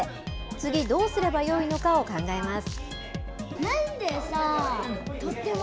次、どうすればよいのかを考えます。